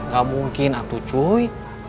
gak mungkin atuh cuy